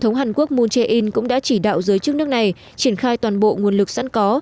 thống hàn quốc moon jae in cũng đã chỉ đạo giới chức nước này triển khai toàn bộ nguồn lực sẵn có